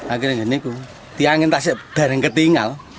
akhirnya gini ku tiangin taksi darin ketinggal